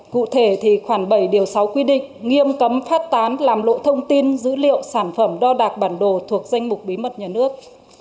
cụ thể thì khoảng bảy điều sáu quy định nghiêm cấm phát tán làm lộ thông tin dữ liệu sản phẩm đo đạc bản đồ thuộc danh mục bí mật nhà nước